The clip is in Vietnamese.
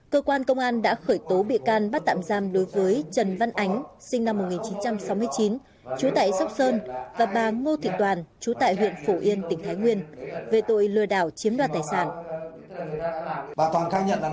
cơ quan công an đã khởi tố bị can bắt tạm giam đối với trần văn ánh sinh năm một nghìn chín trăm sáu mươi chín trú tại sóc sơn và bà ngô thị toàn chú tại huyện phổ yên tỉnh thái nguyên về tội lừa đảo chiếm đoạt tài sản